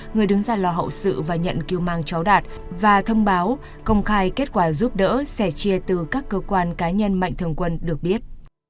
người đứng ra lo hậu sự và nhận cứu mang cháu đạt và thông báo công khai kết quả giúp đỡ sẻ chia từ các cơ quan cá nhân mạnh thường quân được biết